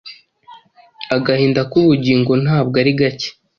Agahinda kubugingo Ntabwo ari gake